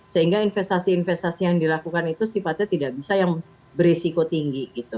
sehingga investasi investasi yang dilakukan itu sifatnya tidak bisa yang beresiko tinggi gitu